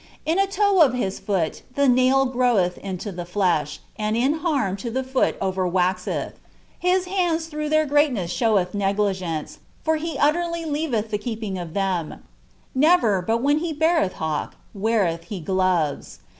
In a loe of his loot the OiH gruwoth into the flesh, aud in harm to the fool over waseth. Ilis htodi tliruugh their greatness shewelh negligence, for he utterly loavcih ihc keeping of them ; never, but when he beareih hawks, wesreth he glotc*.